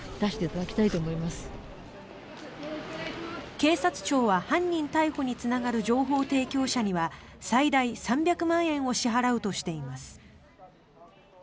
警察庁は、犯人逮捕につながる情報提供者には最大３００万円を支払うとしています。